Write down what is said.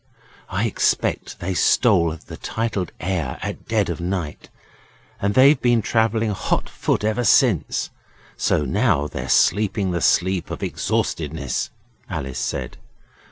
'I expect they stole the titled heir at dead of night, and they've been travelling hot foot ever since, so now they're sleeping the sleep of exhaustedness,' Alice said.